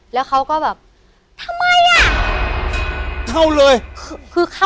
แล้วเขาก็แบบทำไมอะ